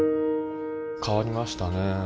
変わりましたね。